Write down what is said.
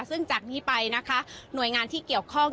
ซึ่งจากนี้ไปนะคะหน่วยงานที่เกี่ยวข้อง